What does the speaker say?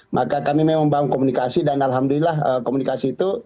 maka kami memang membangun komunikasi dan alhamdulillah komunikasi itu